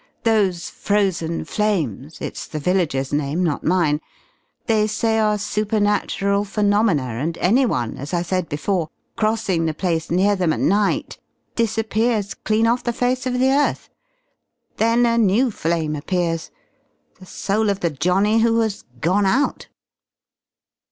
Those Frozen Flames it's the villagers' name, not mine they say are supernatural phenomena, and any one, as I said before, crossing the place near them at night disappears clean off the face of the earth. Then a new flame appears, the soul of the johnny who has 'gone out'."